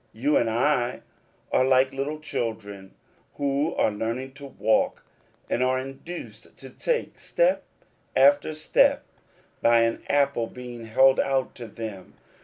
You and I are like little children who are learning to walk, and are induced to take step after step by an apple being held out to them.